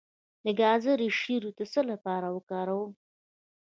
د ګازرې شیره د څه لپاره وکاروم؟